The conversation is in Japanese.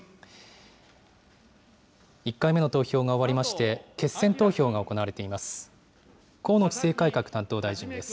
１回目の投票が終わりまして、決選投票が行われています。